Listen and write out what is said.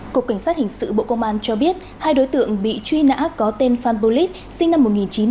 cục cảnh sát hình sự bộ công an cho biết hai đối tượng bị truy nã có tên phan polis sinh năm một nghìn chín trăm chín mươi sáu